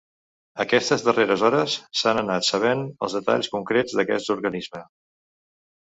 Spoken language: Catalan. Aquestes darreres hores s’han anat sabent els detalls concrets d’aquest organisme.